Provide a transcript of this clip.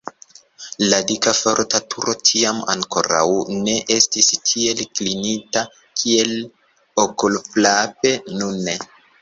La dika forta turo tiam ankoraŭ ne estis tiel klinita, kiel okulfrape nune.